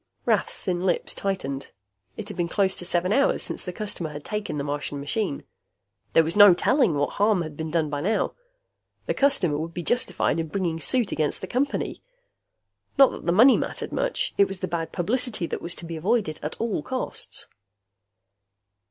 Rath's thin lips tightened. It had been close to seven hours since the customer had taken the Martian machine. There was no telling what harm had been done by now. The customer would be justified in bringing suit against the Company. Not that the money mattered much; it was the bad publicity that was to be avoided at all costs.